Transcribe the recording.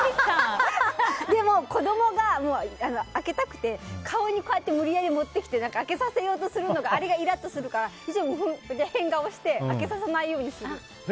でも、子供が開けたくて、顔に無理やり持ってきて開けさせようとするのがイラッとするからいつも変顔して開けさせないようにする。